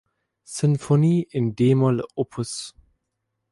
Sinfonie in d-Moll op.